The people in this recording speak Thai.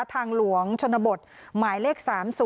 ทางหลวงชนบทหมายเลข๓๐